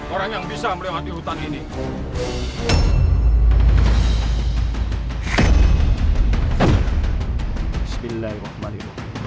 orang yang bisa melewati hutan ini spilly